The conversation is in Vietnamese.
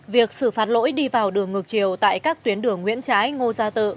việc xử phạt lỗi đi vào đường ngược chiều tại các tuyến đường nguyễn trái ngô gia tự